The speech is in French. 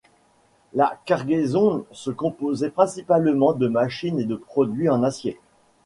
La cargaison se composait principalement de machines et de produits en acier.